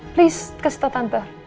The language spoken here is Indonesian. please kasih tau tante